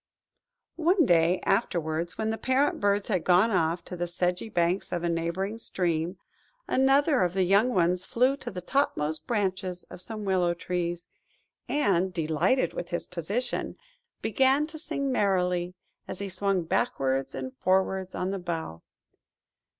One day afterwards, when the parent birds had gone off to the sedgy banks of a neighbouring stream, another of the young ones flew to the topmost branches of some willow trees, and, delighted with his position, began to sing merrily, as he swung backwards and forwards on a bough.